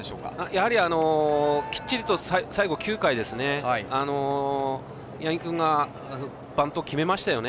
やはり、きっちりと最後９回、八木君がバントを決めましたよね